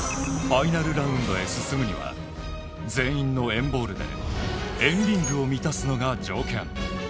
ファイナルラウンドへ進むには全員の＆ＢＡＬＬで＆ＲＩＮＧを満たすのが条件。